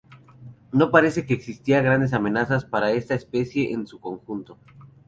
No parece que existan grandes amenazas para esta especie en su conjunto.